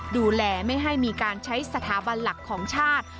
ดูแลไม่ให้มีการใช้สถาบันหลักของชาติ